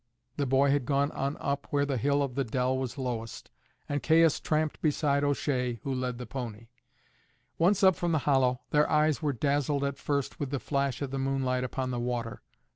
The boy had gone on up where the wall of the dell was lowest, and Caius tramped beside O'Shea, who led the pony. Once up from the hollow, their eyes were dazzled at first with the flash of the moonlight upon the water.